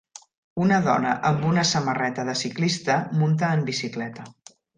Una dona amb una samarreta de ciclista munta en bicicleta.